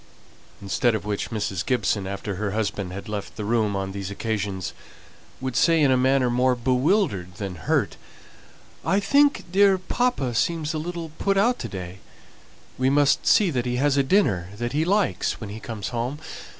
Instead of which Mrs. Gibson, after her husband had left the room, on these occasions would say in a manner more bewildered than hurt "I think dear papa seems a little put out to day; we must see that he has a dinner that he likes when he comes home.